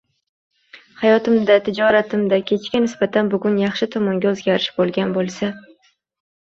— xayotimda, tijoratimda kechaga nisbatan bugun yaxshi tomonga o'zgarish bo'lgan bo'lsa